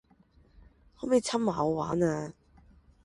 可唔可以摻埋我玩呀?